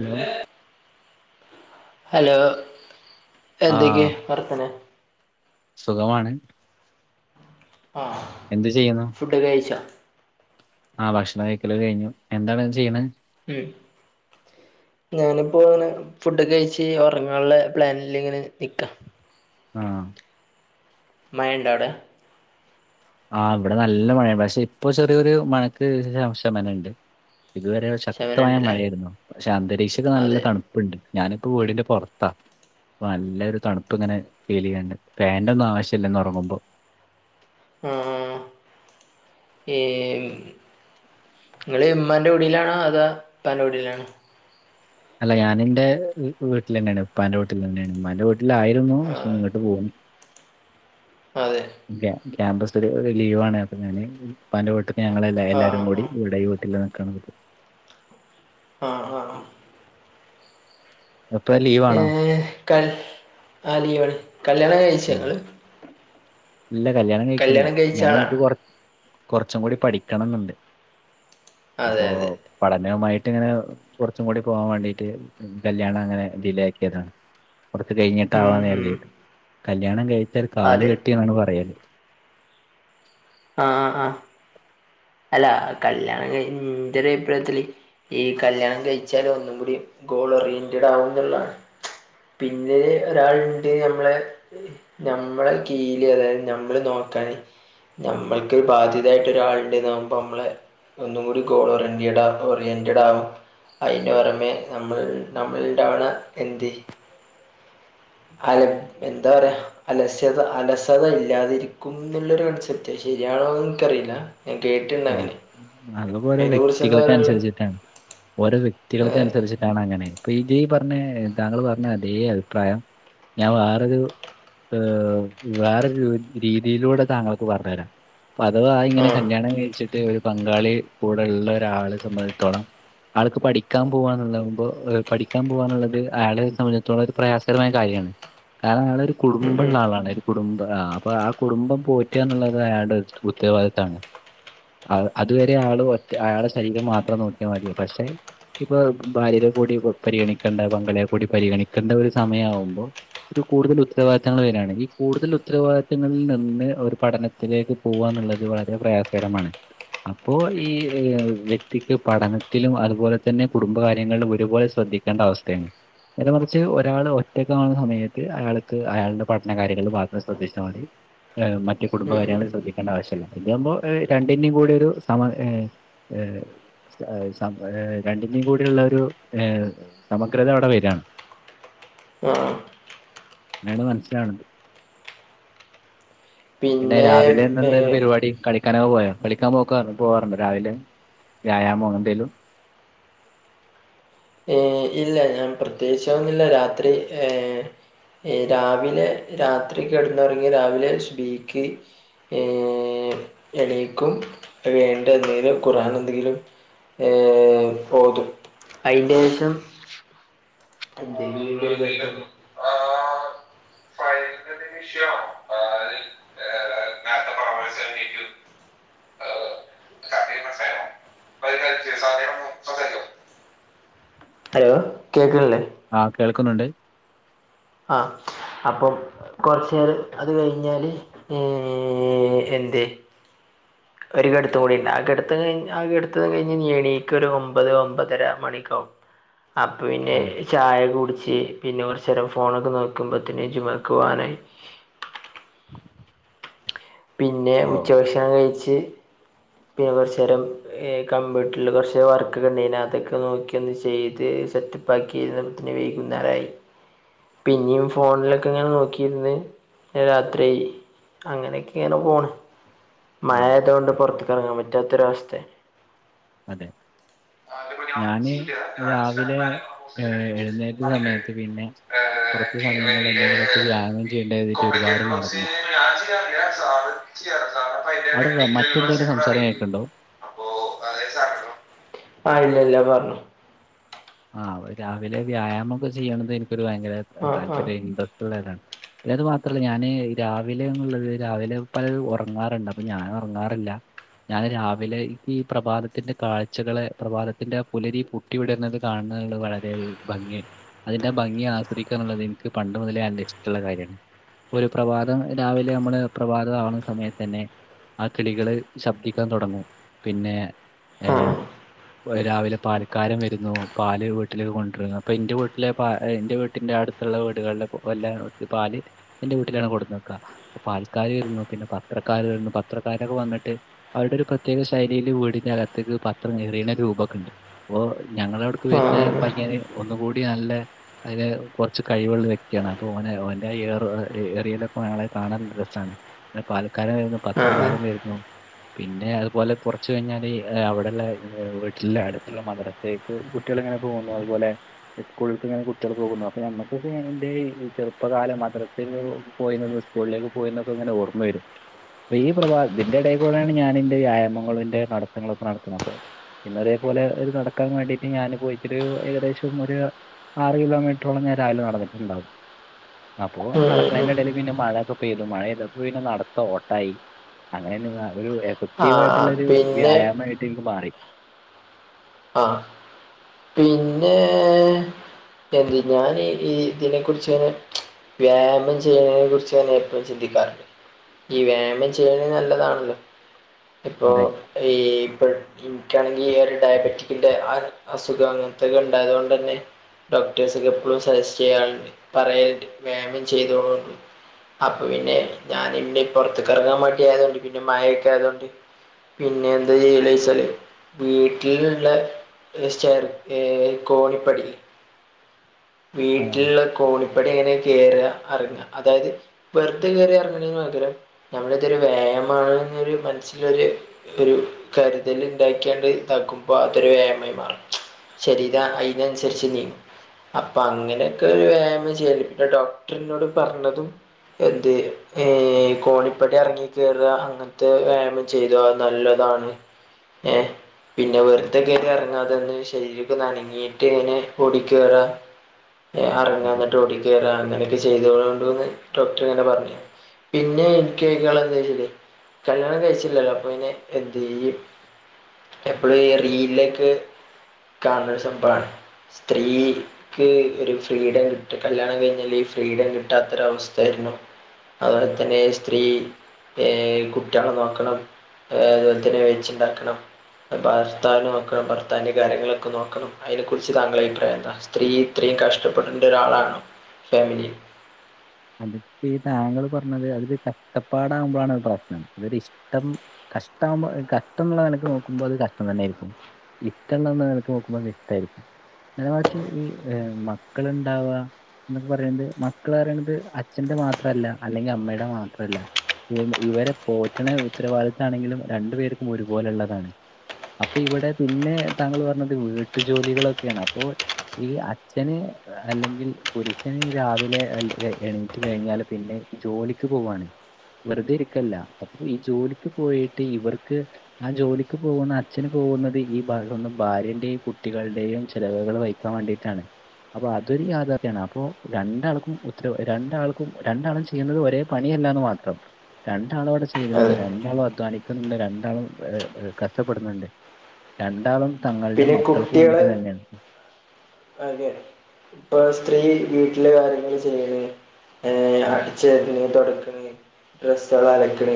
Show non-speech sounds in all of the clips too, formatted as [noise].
Hello hello ആഹ് എന്തൊക്കെയ വർത്താനം സുഖമാണ് ആഹ് എന്ത് ചെയ്യുന്നു ഫുഡ് കഴിച്ച ആഹ് ഭക്ഷണം കഴിക്കലൊക്കെ കഴിഞ്ഞു എന്താണ് ചെയ്യുന്നത് [inaudible] ഞാനിപ്പോ ഇങ്ങനെ ഫുഡൊക്കെ കഴിച്ച് ഉറങ്ങാനുള്ള പ്ലാനില് ഇങ്ങനെ നിക്ക ആഹ് മഴ ഇണ്ട അവിടെ ആഹ് ഇവിടെ നല്ല മഴയാ പക്ഷെ ഇപ്പൊ ചെറിയൊരു മഴക്ക് ശമനം ഇണ്ട് ഇതുവരെ ശക്തമായ ശമനമുണ്ടല്ലേ മഴയായിരുന്നു പക്ഷെ അന്തരീക്ഷൊക്കെ നല്ല അതെ തണുപ്പുണ്ട് ഞാനിപ്പോ വീടിന്റെ പുറത്താ നല്ലൊരു തണുപ്പങ്ങനെ ഫീൽ ചെയ്യണ്ട് ഫാൻന്റെ ഒന്നും ആവശ്യമില്ല ഇന്ന് ഉറങ്ങുമ്പോ മ്മ് ഈ നിങ്ങള് ഇമ്മന്റെ കുടീലാണോ അതോ ഇപ്പന്റെ കുടീലാണോ അല്ല ഞാന് എന്റെ വീട്ടിൽ തന്നെയാണ് ഉപ്പാന്റെ വീട്ടിൽ തന്നെയാണ് ഉമ്മാന്റെ വീട്ടി ലായിരുന്നു പക്ഷെ ആഹ് ഇങ്ങട്ട് പോന്നു അതെ ക്യാ ക്യാമ്പസ് ഒരു ലീവാണ് അപ്പൊ ഞാന് ഉപ്പാന്റെ വീട്ടിന്ന് ഞങ്ങള് എ ആഹ് എല്ലാരും കൂടി ആഹ് ഇവിടെ ഈ വീട്ടിലാ നിക്കണതിപ്പൊ ആഹ് ആഹ് ആഹ് എപ്പാ ലീവ് ഏഹ് കൽ അഹ് ലീവാണ്. കല്യാണം കഴിച്ച ഉം. ങ്ങൾ? ഇല്ല കല്യാണം കഴിക്ക്ണില്ല കഴിച്ച ഞാൻ [unintelligible] ആളാണോ കൊർ കൊർച്ചും കൂടി പഠിക്കണംന്ന്ണ്ട്. അപ്പൊ അതെ അതെ പഠനവുമായിട്ട് ഇങ്ങനെ കൊർച്ചും കൂടി പോവാൻ വാണ്ടീട്ട് കല്യാണ അങ്ങനെ ഡിലേയാക്കിതാണ്. കൊർച്ച് ഉം കഴിഞ്ഞിട്ടാവാന്ന് ഉം കര്തി കല്യാണം കഴിച്ചാല് കാല് അതെ കെട്ടി ന്നാണ് പറയല്. ആഹ് ആഹ് അല്ലാ കല്യാണം കയിഞ്ഞ് എന്റെ ഒര് അഭിപ്രായത്തില് ഈ കല്യാണം കഴിച്ചാല് ഒന്നും കൂടി ഗോൾ ഒറിയന്റഡ് ആകുന്ന് ള്ളാ? പിന്നെ ഒരാള് ണ്ട് ഞമ്മളെ ഞമ്മളെ കീഴിൽ വരെ ഞമ്മളേ നോക്കാന് ഞമ്മക്ക് ബാധ്യതായിട്ട ഒരാള് [unintelligible] മ്പളേ ഒന്നും കൂടി ഗോള് ഓറിയന്റഡ് പ്പ് ഓറിയൻ്റഡ് ആകും. അയ്യോ രമെ നമ്മള് നമ്മള് ടൗണാ എന്തേ? [unintelligible] എന്താ പറയാ? അലസ്യത അലസത ഇല്ലാതേ ഇരിക്കും ന്നുള്ളൊര് കൺസെപ്റ്റ് ശരിയാണോന്ന് ഇൻക്ക് അറീല. ഞ കേട്ട് ആഹ് അത് ഓരോ വ്യക്തികള്ക്ക് പറയാനുള്ളത് അന്സാരിച്ചിട്ടാണ് ഓരോ വ്യക്തികൾക്ക് അതെ അന്സരിച്ച് യാണ് അങ്ങനെ ഇപ്പ ഈജി പർഞ്ഞേ താങ്കള് പർഞ്ഞേ അതേ അഭിപ്രായം ഞാൻ വേറൊരു വേറെ രു രീതിയിലൂടെ താങ്കൾക്ക് പർഞ്ഞ് തെരാം. പലതായി ആ ഇങ്ങനെ കല്യാണം കഴിച്ചിട്ട് ഒരു പങ്കാളി കൂടെ ഇള്ള ഒരാളെ സംബന്ധിച്ചിട്ത്തോളം ആൾക്ക് പഠിക്കാൻ പോവാന്ന്ള്ള മ്പ് പഠിക്കാൻ പോവാന്ന്ള്ളത് അയാളെ സംബന്ധത്തോളം ഒര് പ്രയാസകരമായ കാര്യാണ്. കാരണം ആള ഒരു ഉം ഉം കുടുംബള്ള ആളാണ് ഒര് കുടുംബം ആഹ് അപ്പൊ ആഹ് കുടുംബം പോറ്റാന്ന് ള്ളത് അയാടെ ഉത്ത ഉത്തരവാദിത്താണ്. അഹ് അത് വെരെ ആള് ഒറ്റ അയാളേ ശരീരം മാത്രം നോക്കിയാ മതി പക്ഷെ ഇപ്പൊ ഭാര്യനേ കൂടി പരിഗണിക്കേണ്ട പങ്കാളി കൂടി പരിഗണിക്കേണ്ട ഒര് സമയവ്മ്പോ ഒര് കൂടുതല് ഉത്തരവാദിത്തങ്ങള് വരാണ് ഈ കൂടുതൽ ഉത്തരവാദിത്തങ്ങള് നിന്ന് ഒര് പഠന തിലേക്ക് പോവാന്ന് ള്ളത് വളരെ പ്രയാസകരമാണ്. അപ്പോ ഈ വ്യക്തിക്ക് പഠനത്തിലും അതുപോലെ തന്നെ കുടുംബകാര്യങ്ങളിലും ഒരുപോലെ ശ്രദ്ധി രണ്ട് അവസ്ഥയാണ്. നേരെ മറിച്ച് ഒരാള് ഒറ്റക്ക് കാണുന്ന സമയത്ത് അയാൾക്ക് അയാളുടെ പഠന കാര്യങ്ങൾ മാത്രം ശ്രദ്ധിച്ചാ മതി. ഏഹ് മറ്റേ കുടുംബ ഉം ഉം കാര്യങ്ങള് ശദ്ധിക്കേണ്ട ആവശ്യല്ല. ഇതാവുമ്പോ ഏഹ് ര പിന്നെ കൂടി ഒരു സമാ ഏഹ് ഏഹ് ഏഹ് സ ഏഹ് രണ്ടിൻ്റെ കൂടിള്ളരു ഏഹ് സമഗ്രത അവടെ വെരാണ്. [inaudible] മേടം മനസ്സിലാവ്ണ് ണ്ട്. പിന്നെ രാവിലെ ഏ ന്നന്തേന്നു പരിപാടി? കളി [unintelligible] കളിക്കാൻ പോക്കാറു പോകാറുണ്ടോ രാവിലെ വ്യായാമേ എന്തേലും? ഹേയ് ഇല്ല ല്ല പ്രത്യേകിച്ച് ഒന്നില്ലാ രാത്രി ഹേ ഹേയ് രാവിലെ രാത്രി കെട്ന്ന് ഒർങ്ങ്യ രാവിലെ സുബ്ഹിക്ക് ഹേയ് എണീക്കും വേണ്ട എന്തെലും കുർആനും എന്തെങ്കിലും ഹേ ഓതും അയിൻ്റെ ശേഷം? [unintelligible] [inaudible] നേരത്തെ പരാമർശിച്ച കാര്യം മനസ്സിലായോ വൈകാരിക സാധ്യത സംസാരിക്കും ഹലോ കേക്ക്ണില്ലേ? ആഹ് കേൾക്കുന്നു ണ്ട്. ആഹ് അപ്പം കൊർച്ചേരം അത് കഴിഞ്ഞാല് ഹേ എന്തേ? ഒര് കെട്ത്ത് കൂടി ണ്ട് ആഹ് കെട്ത്ത് കഴിഞ്ഞ ആഹ് കെട്ത്ത് കഴിഞ്ഞ് എണീക്ക് ഒര് ഒമ്പത് ഒമ്പതരാ മണി ക്കാവും. അപ്പേ പിന്നെ അതെ. ചായ കുടിച്ച് പിന്നെ കൊറച്ച് നേരം ഫോണൊക്കെ നോക്കുമ്പോഴത്തനേ ചുമാക്ക് പോവാനായി പിന്നെ ഓ. ഉച്ചഭക്ഷണം കഴിച്ച് പിന്നെ കൊറേച്ച് നേരം യെ കമ്പ്യൂട്ടറില് കൊറച്ച് വർക്ക ഒണ്ടാെനേ അതൊക്കെ നോക്കി ഒന്ന് ചെയ്ത് സെറ്റ് ബാക്കിയിരുന്ന് പോത്തിന് വൈകുന്നേരായി പിന്നെയും ഫോണിലൊക്കെ ഇങ്ങനെ നോക്കിയിരുന്ന രാത്രിആയി അങ്ങനെയൊക്കെ ഇങ്ങനെ പോണ് ഉം. മഴയായതോണ്ട് പുറത്ത് ക്കറങ്ങാൻ പറ്റാത്തൊരവസ്ഥെ അതെ ഞാന് രാവിലെ ഏഹ് എഴുന്നേറ്റ സമയത്ത് പിന്നെ കുറച്ചു സമയങ്ങളിൽ വലിയ എന്തെങ്കിലൊക്കെ വ്യായാമം ചെയ്യേണ്ടേ കര്തിട്ട് ഒരുപാട് നടന്നു. റിയാ സാർ ഇച്ചെടങ്ങാറ് അപ്പഅയിന്റെ അവിടെ വ ഫൈനൽ മറ്റെന്തെങ്കിലും വിശങ്ങൾ സംസാരം അറിയില്ലേ കേൾക്കുന്നുണ്ടോ? ആഹ് ഇല്ല ഇല്ല പറഞ്ഞോ ആഹ് രാവിലെ വ്യായാമൊക്കെ ചെയ്യണത് എനിക്കൊരു ഭയങ്കര ആ ആ താല്പര്യം ഇൻട്രസ്റ്റ് ഉള്ളതാണ്. പിന്നെ അത് മാത്രല്ല ഞാന് രാവിലെന്ന് ഉള്ളത് രാവിലെ പലരും ഉറങ്ങാറുണ്ട് അപ്പൊ ഞാൻ ഉറങ്ങാറില്ല. ഞാൻ രാവിലെ ഈ പ്രഭാതത്തിന്റെ കാഴ്ചകളെ പ്രഭാതത്തിന്റെ ആ പുലരി പൊട്ടി വിടരുന്നത് കാണ് ണതാള് വളരെ ഭംഗിയായി അതിന്റെ ആ ഭംഗിയാസ്വദിക്കാ എന്നുള്ളത് എനിക്ക് പണ്ട് മുതലേ നല്ല ഇഷ്ട്ടള്ള കാര്യാണ് ഇപ്പൊ ഒരു പ്രഭാതം രാവിലെ നമ്മള് പ്രഭാതം ആവുന്ന സമയത്ത് തന്നെ ആ കിളികള് ശബ്ദിക്കാൻ തുടങ്ങും പിന്നെ ആ ഏഹ് ഒര് രാവിലെ പാൽക്കാരൻ വരുന്നു പാല് വീട്ടിലേക്ക് കൊണ്ട്രന്നു അപ്പൊ ഇന്റെ വീട്ടിലെ പാ ഏഹ് ഇന്റെ വീട്ടിന്റെ അടുത്തുള്ള വീടുകളിലൊക്കെ പ്പൊല്ലാ പാല് ഇന്റെ വീട്ടിലാണ് കൊട്ന്നക്കാ അപ്പൊ പാൽക്കാര് വരുന്നു പിന്നെ പത്രക്കാര് വരുന്നു പത്രക്കാരൊക്കെ വന്നിട്ട് അവിടെ ഒരു പ്രത്യേക ശൈലിയില് വീടിന്റെ അകത്തേക്ക് പത്രം എറിയുന്ന രൂപൊക്കെ ഉണ്ട് അപ്പോ ഞങ്ങളവിടെ ക്ക്‌ ആ വരുന്ന പയ്യന് ഒന്നും കൂടി നല്ല അയില് കുറച്ച് കഴിവുള്ള വ്യക്തിയാണ് അപ്പൊ ഓന് ഓന്റെ ഏറ് എറിയിലൊക്കെ ഞങ്ങള് കാണാൻ രസാണ് എന്ന പാൽക്കാരൻ വരുന്നു ആ ആ ആ പത്രക്കാരൻ വരുന്നു പിന്നെ അതുപോലെ കുറച്ച് കഴിഞ്ഞാല് അവിടെള്ള വീട്ടിലിള്ള അടുത്തുള്ള മദ്രത്തേക്ക് കുട്ട്യാളിങ്ങനെ പോകുന്നു അതുപോലെ സ്കൂള്ക്ക് ഇങ്ങനെ കുട്ട്യാൾ പോകുന്നു അപ്പൊ ഞമ്മുക്കിപ്പോ എന്റെ ഈ ചെറുപ്പകാലം മദ്രസേലൊരു പോയീന്ന സ്കൂളിലേക്ക്‌ പോയിര്ന്നത് ഇങ്ങനെ ഓർമ്മ വരും അപ്പൊ ഈ പ്രഭാത ഇതിന്റെ ഇടയിൽക്കൂടേണ് ഞാനിതിന്റെ വ്യായാമങ്ങളും ഇന്റെ നടത്തങ്ങളൊക്കെ നടത്തുന്നത് അപ്പൊ പിന്നെതേപോലെ ഒരു നടക്കാൻ വേണ്ടി ഞാന് പോയിട്ടൊരു ഏകദേശം ഒരു ആറ് കിലോമീറ്ററോളം ഞാൻ രാവിലെ നടന്നിട്ടുണ്ടാവും. അപ്പൊ ഉം ഉം ഉം നടക്കുന്നതിന്റെ ഇടയിൽ പിന്നെ മഴൊക്കെ പെയ്തു മഴെയ്തു അപ്പൊ പിന്നെ നടത്ത ഓട്ടായി അങ്ങനെര്ന്നു നല്ലൊരു എ ആ പോസറ്റീവ് വായിട്ടുള്ളൊരു പിന്നെ വ്യായാമായിട്ട് ഇനിക്ക് മാറി ആഹ് പിന്നെ എന്ത് ഞാന് ഈ ഇതിനെ കുറിച്ച് ഇങ്ങനെ വ്യായാമം ചെയ്യുന്നതിനെ കുറിച്ച് ഞാൻ എപ്പഴും ചിന്തിക്കാറുണ്ട് ഈ വ്യായാമം ചെയ്യണ നല്ലതാണല്ലോ ഇപ്പൊ അതെ. ഈ ഇപ്പൊ ഇനിക്കാണെങ്കിൽ ഈ ഒരു ഡയബറ്റിക് ക്കിന്റെ ആഅസുഖം അങ്ങനത്തൊക്കെ ഉണ്ടായതുകൊണ്ട് തന്നെ ഡോക്ടേഴ്സ് എപ്പോഴും സജസ്റ്റ് ചെയ്യാറ്ണ്ട് പറയൽണ്ട് വ്യായാമം ചെയ്തോളൂ അപ്പൊ പിന്നെ ഞൻിന്റെ പൊറത്ത്ക്കറങ്ങാൻ വേണ്ടി ആയതൊണ്ട് പിന്നെ മഴൊക്കെ ആയതോണ്ട് പിന്നെ എന്താ ചെയല് ചോയിച്ചാല് വീട്ടിൽ നിന്ന് ള്ള അ് ചെയർ ഏഹ് കോണിപ്പടി അതെയോ? വീട്ടിലിള്ള കോണി പടി ഇങ്ങനെ കയറ ഇറങ്ങ അതായത് വെറുതെ കയറി ഇറങ്ങണേന് പകരം നമ്മളിതൊരു വ്യായാമാണ് ന്നൊരു മനസ്സിലൊരു ഒരു കരുതൽ ഉണ്ടാക്കിയങ്ട്ട് ഇതാക്കും പ്പൊ അതൊരു വ്യായാമായി മാറും ശരീര അയിനനുസരിച്ച് നീങ്ങും അപ്പൊ അങ്ങനെയൊക്കെ ഒരു വ്യായാമം ചെയ്യല് പിന്നെ ഡോക്ടറിന്നോട് പറഞ്ഞതും എന്ത് ഏഹ് കോണിപ്പടി ഇറങ്ങി കേറാ അങ്ങൻ ത്തെ വ്യായാമം ചെയ്തോ അത് നല്ലതാണ് ഏഹ് പിന്നെ വെറ് അഹ് ക ഇറങ്ങ അതൊന്ന് ശരീരമൊക്കെ നനങ്ങീയിട്ട് ഇങ്ങനെ ഓടിക്കറാം ആഹ് അതെ. ഇറങ്ങാന്നിട്ട് ഓടി കയറാ അങ്ങനെയൊക്കെ ചെയ്തൊളുണ്ട്ന്ന് ഡോക്ടർ ഇങ്ങനെ പറഞ്ഞു പിന്നെ എനിക്ക് കേക്കള എന്തച്ചേ കല്യാണം കഴിച്ചില്ലല്ലോ അപ്പൊ പിന്നെ എന്ത് എപ്പോഴും സ്ത്രീയിലേക്ക് കാണുന്നൊ ഒരു സംഭവാണ് സ്ത്രീ ക്ക് ഒരു ഫ്രീഡം കിട്ട കല്യാണം കഴിഞ്ഞാല് ഈ ഫ്രീഡം കിട്ടാത്തൊര അവസ്ഥ ആരുണ് അത് പോലെ തന്നെ സ്ത്രീ കുട്ടികളെ നോക്കണം അതുപോലെ തന്നെ വെച്ചുണ്ടാക്കണം ഭർത്താനെ നോക്കണം ഭർത്താൻ്റെ കാര്യങ്ങളൊക്കെ നോക്കണം അതിനെക്കുറിച്ച് താങ്കൾടെ അഭിപ്രായം എന്താ സ്ത്രീ ഇത്രയും കഷ്ടപ്പെടണ്ട ഒരാളാണോ ഫാമിലിയിൽ അതിപ്പോ ഈ താങ്കൾ പറഞ്ഞത് അതൊരു കഷ്ടപ്പാടാകുമ്പോഴാണ് അത് പ്രശ്നം അതൊരു ഇഷ്ടം കഷ്ടമാകുമ്പോ കഷ്ടള്ളത് നോക്കുമ്പോ അത് കഷ്ടം തന്നായിരിക്കും ഇഷള്ളനിലക്ക് നോക്കുമ്പോക്ക ഇഷ്ടമായിരിക്കും നേരെ മറിച്ച് ഈ മക്കളുണ്ടാവാ എന്നൊക്കെ പറയുന്നത് മക്കൾ പറയണത് അച്ഛന്റെ മാത്രല്ല അല്ലെങ്കിൽ അമ്മയുടെ മാത്രല്ല ഇവരെ പോറ്റണ ഉത്തരവാദിത്താണെങ്കിലും രണ്ടു പേർക്കും ഒരുപോലെള്ളതാണ്. അപ്പൊ ഇവിടെ പിന്നെ താങ്കൾ പറഞ്ഞത് വീട്ടു ജോലികളൊക്കെയാണ് അപ്പൊ ഈ അച്ഛന് അല്ലെങ്കിൽ പുരുഷന് രാവിലെ അലെ എണീറ്റ് കഴിഞ്ഞാൽ പിന്നെ ജോലിക്ക് പോവാണ് വെറുതെ ഇരിക്കല്ല അപ്പൊ ഈ ജോലിക്ക് പോയിട്ട് ഇവർക്ക് ആഹ് ജോലിക്ക് പോകുന്ന അച്ഛന് പോകുന്നത് ഈ ഭും ഭാര്യന്റെയും കുട്ടികളുടെയും ചെലവുകൾ വഹ എത്താൻ വേണ്ടീട്ടാണ് അപ്പൊ അതൊരു യാഥാർത്ഥ്യമാണ് അപ്പൊ രണ്ടാൾക്കും രണ്ടാൾക്കും രണ്ടാളും ചെയ്യുന്നത് ഒരേ പണിയല്ലന്ന് മാത്രം രണ്ടാളും അവിടെ ചെയണ്ട് അതെ രണ്ടാളും അധ്വാനിക്കുന്നുണ്ട് രണ്ടാളും കഷ്ടപ്പെടുന്നുണ്ട് രണ്ടാളും തങ്ങളുടെ പിന്നെ മക്കൾക്ക് കുട്ടികള് വേണ്ടീട്ട് തന്നെയാണ് അതെ ഇപ്പൊ സ്ത്രീ വീട്ടില് കാര്യങ്ങൾ ചെയ്യണ് അടിച്ചോരണ് തുടക്കണ് ഡ്രസ്സ്കളലക്കണ്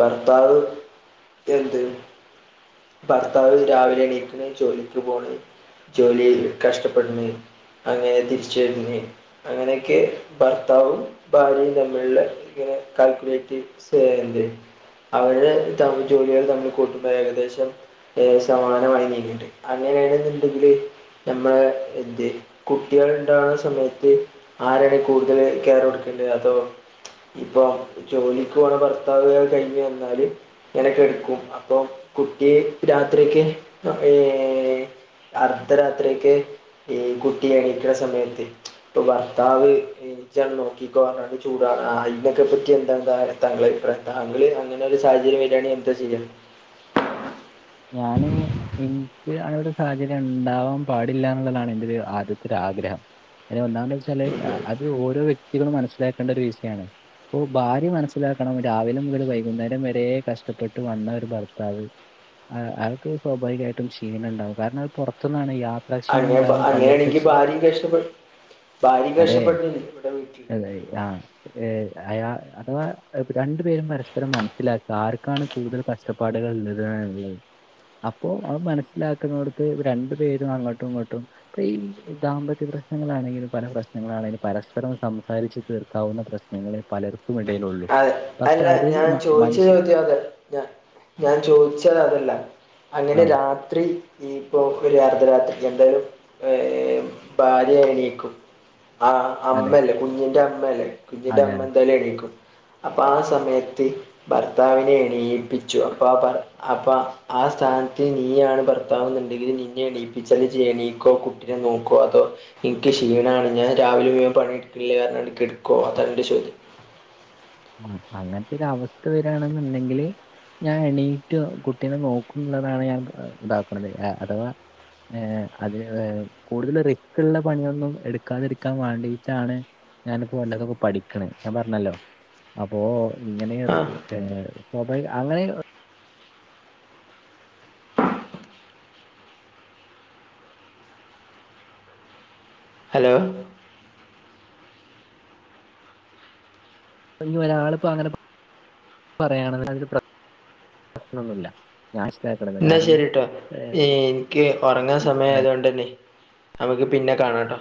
ഭർത്താവ് എന്ത് ഭർത്താവ് രാവിലെ എണീക്കണ് ജോലിക്ക് പോണ് ജോലിയിൽ കഷ്ടപ്പെടുന്നു അങ്ങനെ തിരിച്ചു വരുന്ന് അങ്ങനെയൊക്കെ ഭർത്താവും ഭാര്യയും തമ്മില്ള്ള ഇങ്ങനെ കാൽക്കുലേറ്റ് [unintelligible] അവരുടെ ജോലികൾ തമ്മിൽ കൂട്ടുമ്പോ ഏകദേശം ഏ സമാനം നീങ്ങും ണ്ട് അങ്ങനെയാണ്ന്ന്ണ്ടെങ്കില് നമ്മള എന്ത് കുട്ടികൾ ഉണ്ടാവുന്ന സമയത്ത് ആരാണ് കൂടുതൽ കെയർ കൊടുക്കേണ്ടത് അതോ ഇപ്പൊ ജോലിക്ക് പോണ ഭർത്താവ് അത് കഴിഞ്ഞ് വന്നാൽ ഇങ്ങനെ കിടക്കും അപ്പൊ കുട്ടി രാത്രിയൊക്കെ ഏ അർദ്ധരാത്രിക്ക് ഈ കുട്ടി എണീക്കുന്ന സമയത്ത് ഇപ്പൊ ഭർത്താവ് ഇജ്ജ നോക്കിക്കോ പറഞ്ഞിട് ചൂടാവ അതിനക്കെ പറ്റി എന്താ താങ്കള അഭിപ്രായം താങ്കള്നെ ഒരു സാഹചര്യം വരാണെങ്കിൽ എന്താ ചെയ്യാ ഞാന് എനിക്ക് അങ്ങനരു സാഹചര്യം ഉണ്ടാവാൻ പാടില്ല എന്നുള്ളതാണ് എന്റെ ഒരു ആദ്യത്തെ ഒരാഗ്രഹം അഹ് ഒന്താെന്ന വെച്ചാല് അത് ഓരോ വ്യക്തികളും മനസ്സിലാക്കേണ്ട ഒരു വിഷയമാണ് ഇപ്പൊ ഭാര്യ മനസ്സിലാക്കണം രാവിലെ മുതൽ വൈകുന്നേരം വരെ കഷ്ടപ്പെട്ട് വന്ന ഒരു ഭർത്താവ് ആ അവർക്ക് സ്വാഭാവികമായിട്ടും ക്ഷീണം ഉണ്ടാവും കാരണം അത് പുറത്തുനിന്നൊയാ ഉറക്കക്ഷീണം അങ്ങനെ ഉണ്ടാവും അങ്ങനെയാണെങ്കിൽ പണിടുത്തക്ഷീ ഭാര്യയും കഷ്ടപ്പെടും ഭാര്യയും അതേ കഷ്ടപ്പെട്ടില്ലേ ഇവിടെ വീട്ടിൽ അതെ ആഹ് ഏ അയാ അഥവാ രണ്ടു പേരും പരസ്പരം മനസ്സിലാക്കുക ആർക്കാണ് കൂടുതൽ കഷ് ഷ്ടപ്പാടുകളത് ന്നല്ലത് അപ്പോ അത് മനസ്സിലാക്കുന്നോട്ത്ത് രണ്ട് പേരും അങ്ങോട്ടും ഇങ്ങോട്ടും ഇപ്പ ഈ ദാമ്പത്യ പ്രശ്നങ്ങളാണെങ്കില് പല പ്രശ്നങ്ങളാണെങ്കില് പരസ്പരം സംസാരിച്ച് തീർക്കാവുന്ന പ്രശ് നങ്ങളെ പലർക്കു ഇടയിൽ ഒള്ളൂ. അതെ അല്ല ഞാൻ ചോദിച്ച ചോദ്യ അത ഞ ഞാൻ ചോദിച്ചത് അതല്ല അങ്ങനെ ആ രാത്രി ഇയിപ്പോൾ ഒരു അർദ്ധരാത്രി എന്തായാലും ഭാര്യ എണീക്കും. ആഹ് അതെ അമ്മയല്ലേ കുഞ്ഞിന്റെ അമ്മയല്ലേ കുഞ്ഞിന്റെ അതെ അമ്മ അതെ എന്തായാലും എണിക്കും. അപ്പ ആ സമയത്ത് ഭർത്താവിനെ എണീയിപ്പിച്ചു അപ്പൊ ആ അപ്പ ആ സ്ഥാനത്ത് നീയാണ് ഭർ ത്താവുന്നുണ്ടെങ്കിൽ നിന്നെ എണീപ്പിച്ചാല് ഇജ് എണീക്കോ കുട്ടിനെ നോക്കോ അതോ? ഇൻക്ക് ക്ഷീണാണ് ഞാൻ രാവിലെ മുഴുവൻ പണി എടുക്കില്ലേ ർഞ്ഞാണ്ട് കെട്ക്കോ അതാൻ്റെ ചോദ്യം. ആ അങ്ങൻത്തെ ഒരു അവസ്ഥ വരാണെന്നുണ്ടെങ്കില്. ഞാൻ എണീറ്റ് കുട്ടിനെ നോക്കു ന്നതാണ് ഞാൻ ഇതാക്ക്ണത് അഥവാ ഏഹ് അത് [unintelligible] കൂടുതൽ റിക് ഉള്ള പണിയൊന്നും എടുക്കാതിരിക്കാൻ വാണ്ടിട്ടാണ് ഞാനിപ്പോ വല്ലൊക്കെ പഠിക്കണെ ഞാൻ പർഞ്ഞല്ലോ അപ്പോ ഇങ്ങനെറി ആ സ്വാഭാവിക അങ്ങനെ ഹലോ. നി ഒരാള്പ്പോ അങ്ങനെ പറയാണ അതില് പ്രശ്നൊന്നുല്ല. നാഷ്ടക്കണ് ന്നാ ശരി ട്ടോ ഈൻക്ക് ഒറങ്ങൻ സമയ ആയതോണ്ടന്നെ. നമ്മക്ക് പിന്നെ കാണാം ട്ടോ.